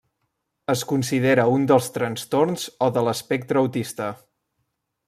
Es considera un dels trastorns o de l'espectre autista.